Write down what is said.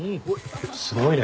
すごいね。